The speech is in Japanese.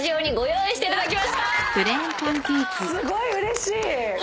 すごいうれしい！